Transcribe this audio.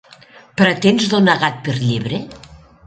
Pretens donar gat per llebre.